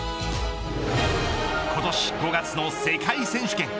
今年５月の世界選手権。